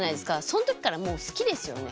そのときからもう好きですよね？